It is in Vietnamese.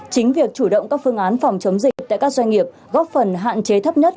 chính việc chủ động các phương án phòng chống dịch tại các doanh nghiệp góp phần hạn chế thấp nhất